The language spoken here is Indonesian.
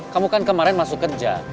kamu kan kemarin masuk kerja